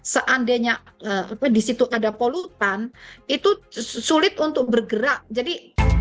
seandainya di situ ada polutan itu sulit untuk bergerak jadi